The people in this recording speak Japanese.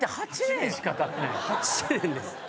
８年です